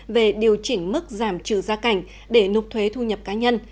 về điều chỉnh mức giảm trừ gia cảnh để nục thuế thu nhập cá nhân